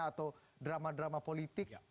atau drama drama politik